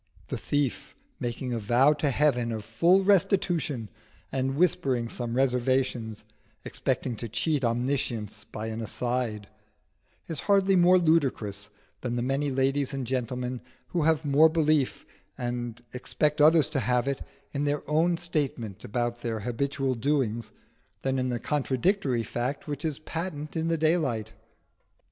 The thief making a vow to heaven of full restitution and whispering some reservations, expecting to cheat Omniscience by an "aside," is hardly more ludicrous than the many ladies and gentlemen who have more belief, and expect others to have it, in their own statement about their habitual doings than in the contradictory fact which is patent in the daylight.